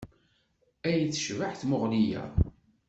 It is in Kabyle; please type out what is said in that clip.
Ay tecbeḥ tmuɣli-a!